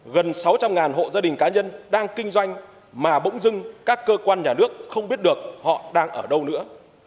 gần sáu trăm linh hộ gia đình cá nhân đang kinh doanh mà bỗng dưng các cơ quan nhà nước không biết được họ đang ở đâu nữa